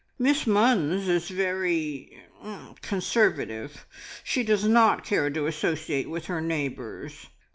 Miss Munns is very conservative. She does not care to associate with her neighbours.